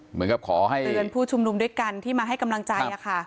เหมือนกับขอให้เตือนผู้ชุมนุมด้วยกันที่มาให้กำลังใจ